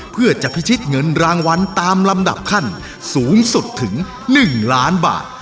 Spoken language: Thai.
เพื่อจะพิชิตเงินรางวัลตามลำดับขั้นสูงสุดถึง๑ล้านบาท